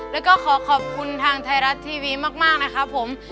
แล้วก็ขอขอบคุณทางไทยรัฐทีวีมากนะครับผม